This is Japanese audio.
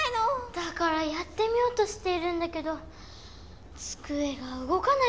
だからやってみようとしているんだけどつくえがうごかないんだ！